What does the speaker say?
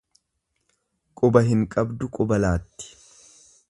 Quba hin qabdu quba laatti.